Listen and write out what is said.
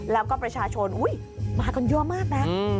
แล้วก็ประชาชนอุ้ยมหากันยอมมากนะ